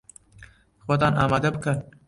خۆتان ئامادە بکەن!